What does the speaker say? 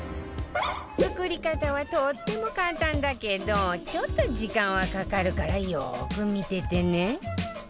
作り方はとっても簡単だけどちょっと時間はかかるからよーく見ててね